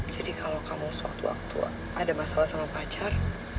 jadi kalau kamu suatu waktu ada masalah sama pacar